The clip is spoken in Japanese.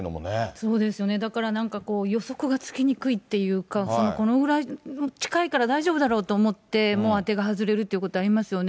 そうですよね、だからなんかこう、予測がつきにくいというか、このぐらい近いから大丈夫だろうと思っても当てが外れるってことありますよね。